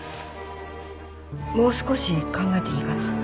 もう少し考えていいかな？